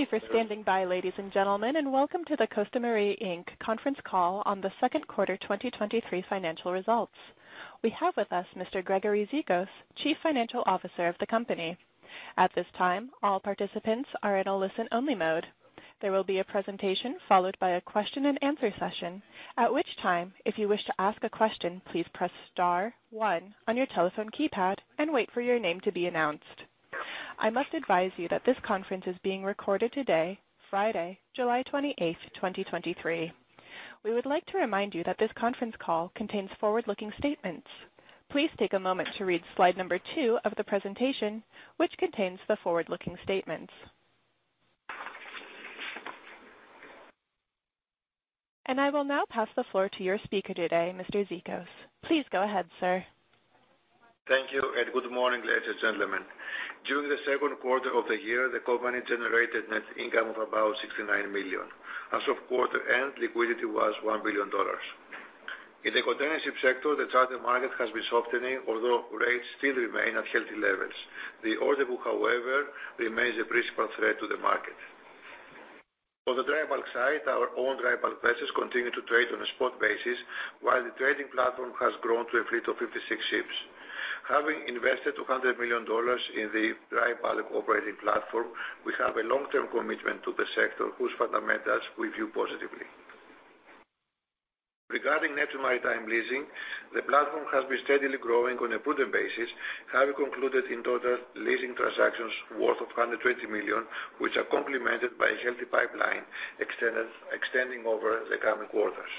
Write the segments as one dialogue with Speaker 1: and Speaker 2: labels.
Speaker 1: Thank you for standing by, ladies and gentlemen, and welcome to the Costamare Inc. conference call on the second quarter 2023 financial results. We have with us Mr. Gregory Zikos, Chief Financial Officer of the company. At this time, all participants are in a listen-only mode. There will be a presentation followed by a question-and-answer session, at which time, if you wish to ask a question, please press star 1 on your telephone keypad and wait for your name to be announced. I must advise you that this conference is being recorded today, Friday, July 28, 2023. We would like to remind you that this conference call contains forward-looking statements. Please take a moment to read slide number two of the presentation, which contains the forward-looking statements. I will now pass the floor to your speaker today, Mr. Zikos. Please go ahead, sir.
Speaker 2: Thank you. Good morning, ladies and gentlemen. During the second quarter of the year, the company generated net income of about $69 million. As of quarter end, liquidity was $1 billion. In the Containership sector, the charter market has been softening, although rates still remain at healthy levels. The order book, however, remains a principal threat to the market. On the Dry Bulk side, our own Dry Bulk Vessels continue to trade on a spot basis, while the trading platform has grown to a fleet of 56 ships. Having invested $200 million in the Dry Bulk operating platform, we have a long-term commitment to the sector, whose fundamentals we view positively. Regarding Neptune Maritime Leasing, the platform has been steadily growing on a prudent basis, having concluded in total leasing transactions worth of $120 million, which are complemented by a healthy pipeline extending over the coming quarters.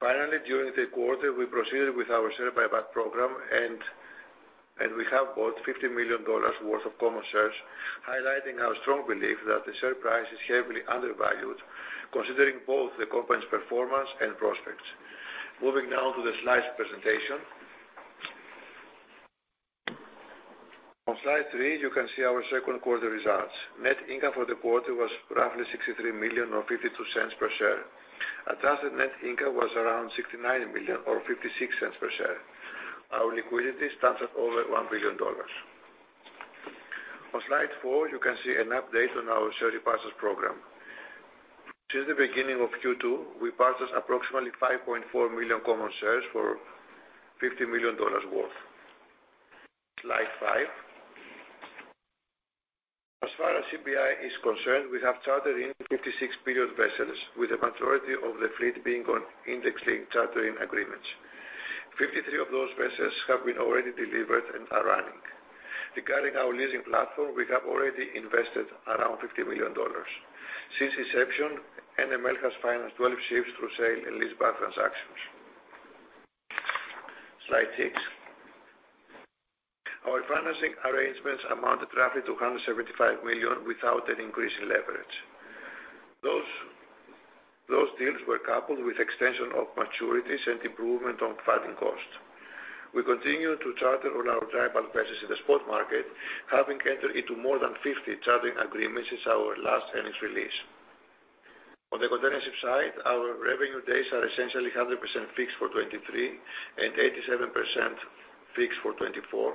Speaker 2: During the quarter, we proceeded with our share buyback program, and we have bought $50 million worth of common shares, highlighting our strong belief that the share price is heavily undervalued, considering both the company's performance and prospects. Moving now to the slides presentation. On slide three, you can see our second quarter results. Net income for the quarter was roughly $63 million, or $0.52 per share. Adjusted net income was around $69 million or $0.56 per share. Our liquidity stands at over $1 billion. On slide four, you can see an update on our share repurchase program. Since the beginning of Q2, we purchased approximately 5.4 million common shares for $50 million worth. Slide five. As far as CBI is concerned, we have chartered-in 56 period vessels, with the majority of the fleet being on index-linked charter-in agreements. 53 of those vessels have been already delivered and are running. Regarding our leasing platform, we have already invested around $50 million. Since inception, NML has financed 12 ships through sale and leaseback transactions. Slide six. Our financing arrangements amounted roughly to $175 million without an increase in leverage. Those deals were coupled with extension of maturities and improvement on funding costs. We continue to charter on our Dry Bulk Vessels in the spot market, having entered into more than 50 charter-in agreements since our last earnings release. On the Containership side, our revenue days are essentially 100% fixed for 2023 and 87% fixed for 2024,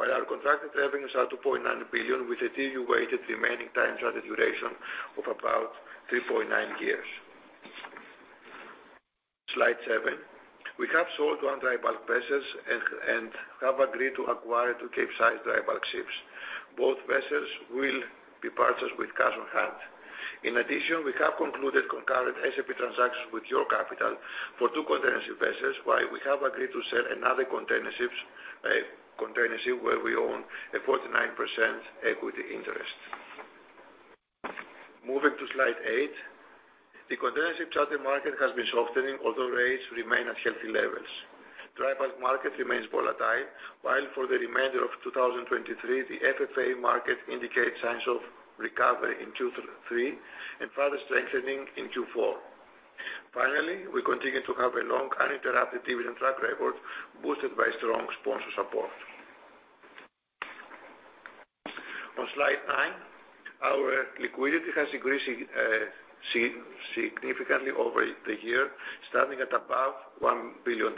Speaker 2: while our contracted revenues are $2.9 billion, with a TEU-weighted remaining time charter duration of about 3.9 years. Slide seven. We have sold one dry bulk vessels and have agreed to acquire two Capesize dry bulk ships. Both vessels will be purchased with cash on hand. In addition, we have concluded concurrent S&P transactions with York Capital for two Containerships vessels, while we have agreed to sell another Containership, where we own a 49% equity interest. Moving to slide eight. The Containership charter market has been softening, although rates remain at healthy levels. Dry bulk market remains volatile, while for the remainder of 2023, the FFA market indicates signs of recovery in Q3 and further strengthening in Q4. Finally, we continue to have a long uninterrupted dividend track record, boosted by strong sponsor support. On slide nine, our liquidity has increased significantly over the year, starting at above $1 billion.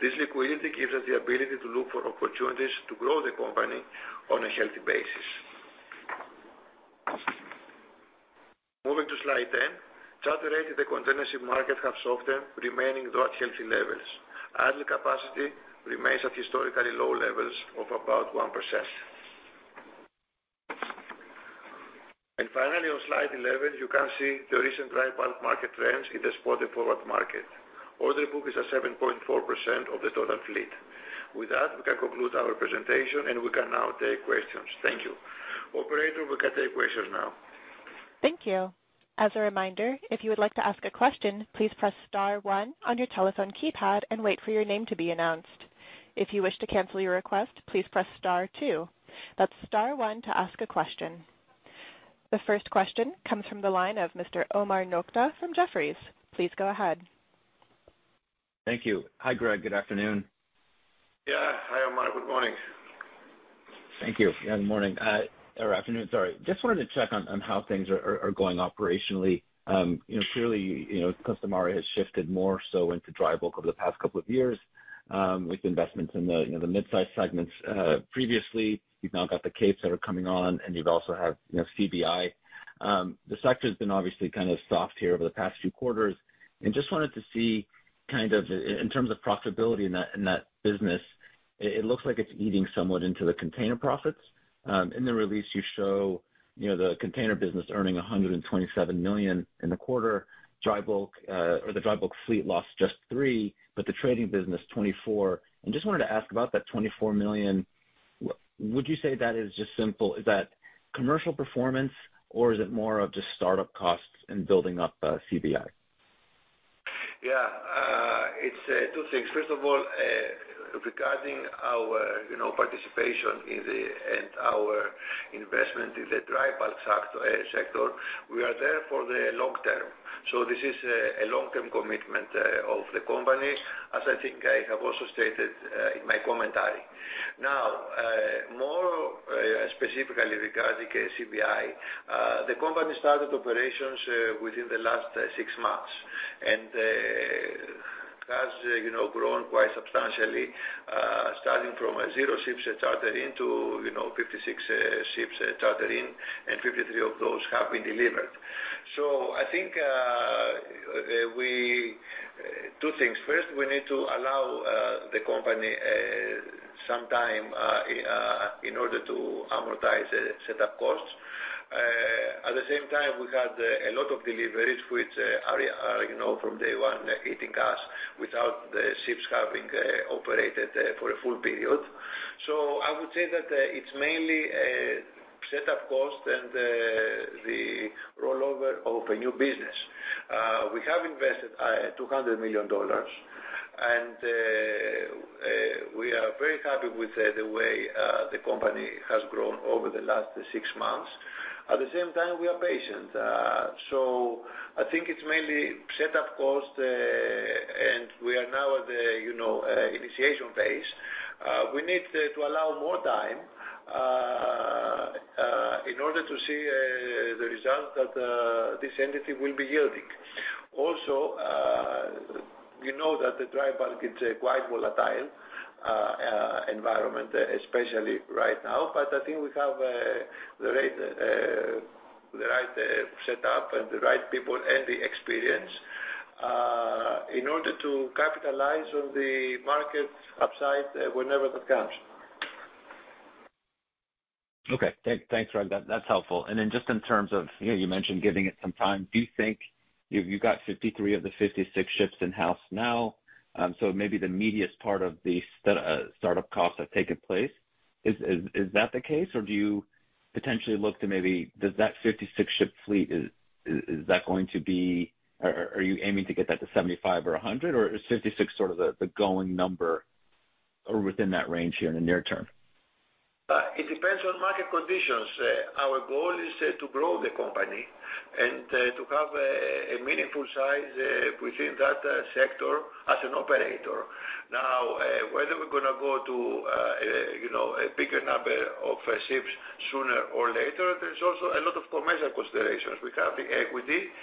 Speaker 2: This liquidity gives us the ability to look for opportunities to grow the company on a healthy basis. Moving to slide 10. Charter rates in the Containership market have softened, remaining at healthy levels. Adding capacity remains at historically low levels of about 1%. Finally, on slide 11, you can see the recent dry bulk market trends in the spot and forward market. Order book is at 7.4% of the total fleet. With that, we can conclude our presentation, and we can now take questions. Thank you. Operator, we can take questions now.
Speaker 1: Thank you. As a reminder, if you would like to ask a question, please press star one on your telephone keypad and wait for your name to be announced. If you wish to cancel your request, please press star two. That's star one to ask a question. The first question comes from the line of Mr. Omar Nokta from Jefferies. Please go ahead.
Speaker 3: Thank you. Hi, Greg. Good afternoon.
Speaker 2: Yeah. Hi, Omar. Good morning.
Speaker 3: Thank you. Yeah, good morning, or afternoon. Sorry, just wanted to check on, on how things are, are, are going operationally. You know, clearly, you know, Costamare has shifted more so into Dry Bulk over the past couple of years, with investments in the, you know, the mid-size segments. Previously, you've now got the Capes that are coming on, and you've also had, you know, CBI. The sector's been obviously kind of soft here over the past few quarters, and just wanted to see kind of in terms of profitability in that, in that business, it, it looks like it's eating somewhat into the container profits. In the release you show, you know, the container business earning $127 million in the quarter, dry bulk, or the dry bulk fleet lost just $3 million, but the trading business $24 million. Just wanted to ask about that $24 million. Would you say that is just simple, is that commercial performance, or is it more of just startup costs and building up, CBI?
Speaker 2: Yeah, it's two things. First of all, regarding our, you know, participation in the, and our investment in the Dry Bulk sector, we are there for the long term. This is a long-term commitment of the company, as I think I have also stated in my commentary. Now, more specifically regarding CBI, the company started operations within the last six months, and has, you know, grown quite substantially, starting from zero ships chartered into, you know, 56 ships chartered-in, and 53 of those have been delivered. I think we... Two things. First, we need to allow the company some time in order to amortize the setup costs. At the same time, we had a lot of deliveries, which are, are, you know, from day one, hitting us without the ships having operated for a full period. I would say that it's mainly a set up cost and the rollover of a new business. We have invested $200 million, and we are very happy with the way the company has grown over the last six months. At the same time, we are patient. I think it's mainly set up costs, and we are now at the, you know, initiation phase. We need to allow more time in order to see the results that this entity will be yielding. We know that the dry bulk is a quite volatile environment, especially right now, but I think we have the right, the right, set up and the right people and the experience, in order to capitalize on the market upside whenever that comes.
Speaker 3: Okay. Thanks, Greg. That, that's helpful. Then just in terms of, you know, you mentioned giving it some time. Do you think you've, you've got 53 of the 56 ships in-house now, so maybe the immediate part of the startup costs have taken place? Is that the case, or do you potentially look to maybe does that 56 ship fleet, is that going to be, are you aiming to get that to 75 or 100, or is 56 sort of the, the going number or within that range here in the near term?
Speaker 2: It depends on market conditions. Our goal is to grow the company and to have a meaningful size within that sector as an operator. Now, whether we're gonna go to, you know, a bigger number of ships sooner or later, there's also a lot of commercial considerations. We have the equity,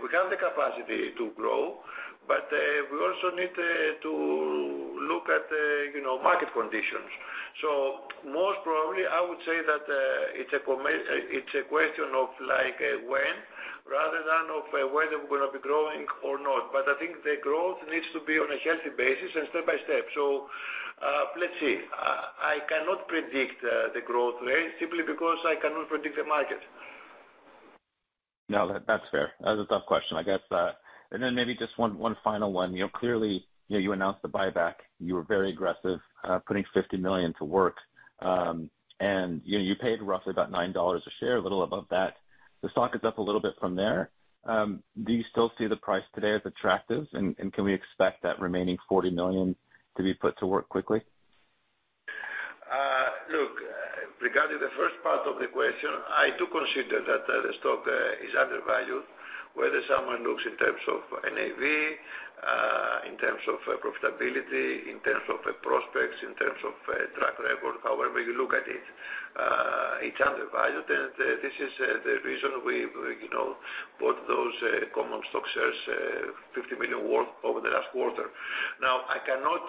Speaker 2: we have the capacity to grow, but we also need to look at the, you know, market conditions. Most probably, I would say that it's a question of like, when, rather than of whether we're gonna be growing or not. I think the growth needs to be on a healthy basis and step by step. Let's see. I, I cannot predict the growth rate simply because I cannot predict the market.
Speaker 3: No, that, that's fair. That's a tough question, I guess. Then maybe just one, one final one. You know, clearly, you know, you announced the buyback. You were very aggressive, putting $50 million to work. You know, you paid roughly about $9 a share, a little above that. The stock is up a little bit from there. Do you still see the price today as attractive, and, and can we expect that remaining $40 million to be put to work quickly?
Speaker 2: Look, regarding the first part of the question, I do consider that the stock is undervalued, whether someone looks in terms of NAV, in terms of profitability, in terms of the prospects, in terms of track record. However you look at it, it's undervalued, and this is the reason we've, you know, bought those common stock shares, $50 million worth over the last quarter. Now, I cannot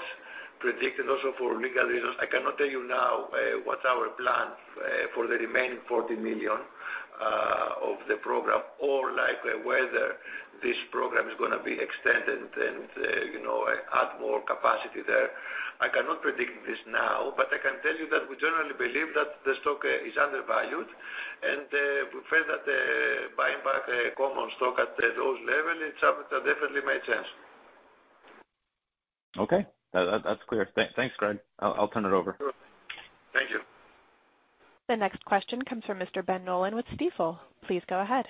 Speaker 2: predict, and also for legal reasons, I cannot tell you now, what's our plan for the remaining $40 million of the program, or like, whether this program is gonna be extended and, you know, add more capacity there. I cannot predict this now, but I can tell you that we generally believe that the stock, is undervalued, and, we feel that, buying back the common stock at those level, it's definitely made sense.
Speaker 3: Okay. That, that's clear. Thanks, Greg. I'll turn it over.
Speaker 2: Thank you.
Speaker 1: The next question comes from Mr. Ben Nolan with Stifel. Please go ahead.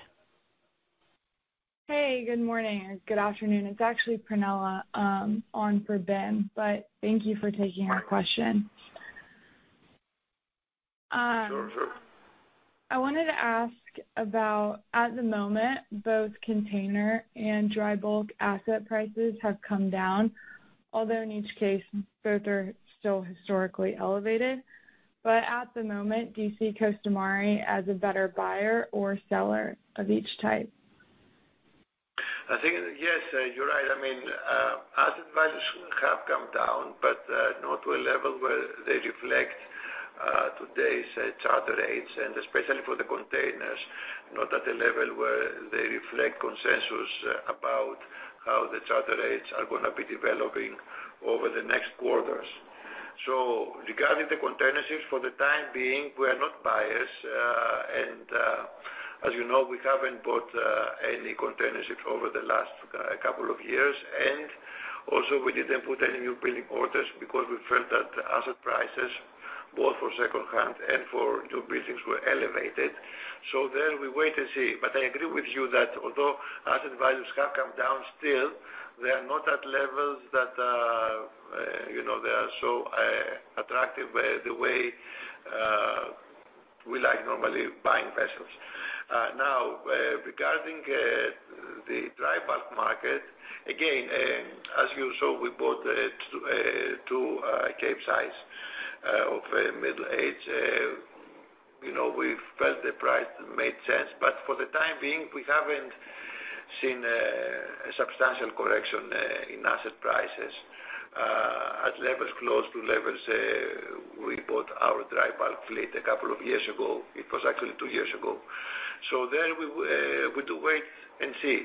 Speaker 4: Hey, good morning, or good afternoon. It's actually Prunella on for Ben, but thank you for taking our question. I wanted to ask about, at the moment, both container and dry bulk asset prices have come down, although in each case, both are still historically elevated. At the moment, do you see Costamare as a better buyer or seller of each type?
Speaker 2: I think, yes, you're right. I mean, asset values have come down, but not to a level where they reflect today's charter rates, and especially for the containers, not at a level where they reflect consensus about how the charter rates are going to be developing over the next quarters. Regarding the Containerships, for the time being, we are not buyers, and as you know, we haven't bought any Containerships over the last couple of years, and also, we didn't put any new building orders because we felt that the asset prices, both for secondhand and for new buildings, were elevated. There we wait and see. I agree with you that although asset values have come down, still they are not at levels that, you know, they are so attractive, the way we like normally buying vessels. Now, regarding the dry bulk market, again, as you saw, we bought two Capesize of a middle age. You know, we felt the price made sense, but for the time being, we haven't seen a substantial correction in asset prices at levels close to levels we bought our dry bulk fleet a couple of years ago. It was actually two years ago. There we do wait and see.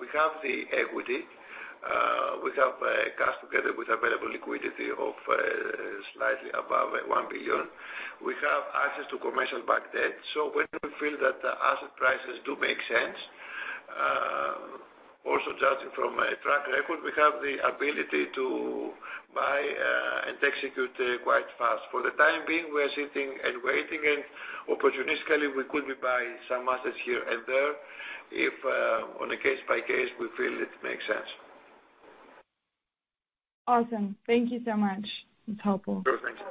Speaker 2: We have the equity, we have cash together with available liquidity of slightly above $1 billion. We have access to commercial bank debt, so when we feel that the asset prices do make sense, also judging from a track record, we have the ability to buy and execute quite fast. For the time being, we are sitting and waiting and opportunistically, we could be buying some assets here and there if, on a case by case, we feel it makes sense.
Speaker 4: Awesome. Thank you so much. It's helpful.
Speaker 2: Sure. Thank you.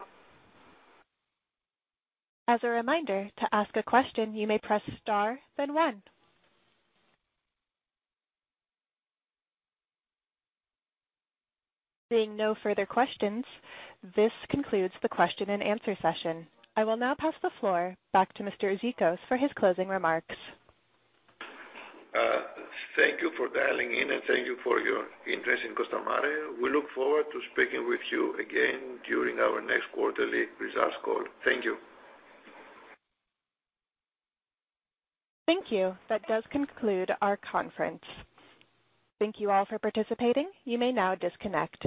Speaker 1: As a reminder, to ask a question, you may press star, then one. Seeing no further questions, this concludes the question-and-answer session. I will now pass the floor back to Mr. Zikos for his closing remarks.
Speaker 2: Thank you for dialing in, and thank you for your interest in Costamare. We look forward to speaking with you again during our next quarterly results call. Thank you.
Speaker 1: Thank you. That does conclude our conference. Thank you all for participating. You may now disconnect.